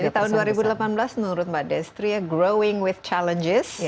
jadi tahun dua ribu delapan belas menurut mbak destri ya growing with challenges